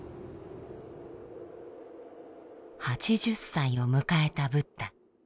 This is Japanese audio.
８０歳を迎えたブッダ。